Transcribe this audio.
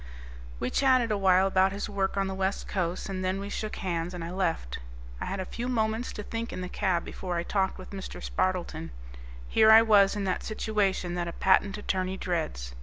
We chatted a while about his work on the West Coast, and then we shook hands and I left. I had a few moments to think in the cab before I talked with Mr. Spardleton. Here I was in that situation that a patent attorney dreads.